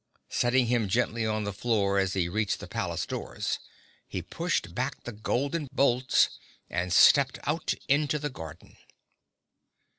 Setting him gently on the floor as he reached the palace doors, he pushed back the golden bolts and stepped out into the garden.